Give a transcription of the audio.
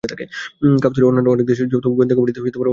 কাউন্সিলের অন্যান্য অনেক দেশের যৌথ গোয়েন্দা কমিটিতে অংশীদার রয়েছে।